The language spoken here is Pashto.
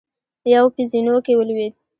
يو په زينو کې ولوېد.